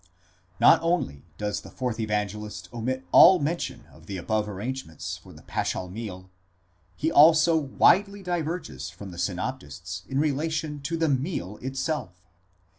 Not only does the fourth Evangelist omit all mention of the above arrange ments for the paschal meal; he also widely diverges from the synoptists in relation to the meal itself.